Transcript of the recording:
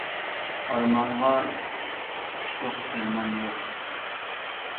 ئارمانغا تۇشلۇق دەرمان يوق!